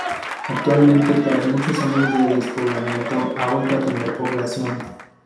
Actualmente tras muchos años de despoblamiento ha vuelto a tener población.